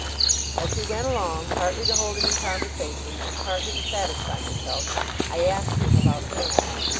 As we went along, partly to hold him in conversation, and partly to satisfy myself, I asked him about Ham.